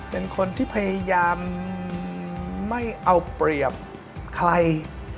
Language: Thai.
เป็นคนที่พยายามไม่เอาเปรียบใคร